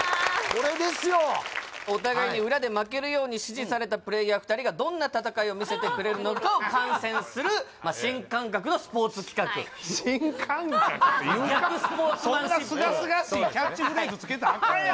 これですよお互いに裏で負けるように指示されたプレーヤー２人がどんな戦いを見せてくれるのかを観戦する新感覚ていうか逆スポーツマンシップそんなすがすがしいキャッチフレーズつけたらアカンやんか